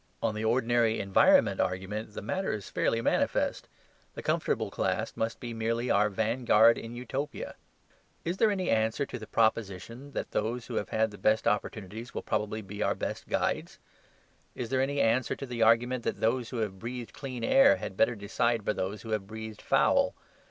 On the ordinary environment argument the matter is fairly manifest. The comfortable class must be merely our vanguard in Utopia. Is there any answer to the proposition that those who have had the best opportunities will probably be our best guides? Is there any answer to the argument that those who have breathed clean air had better decide for those who have breathed foul?